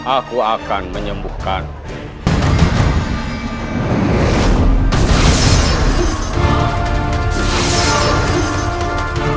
aku akan menyembuhkanmu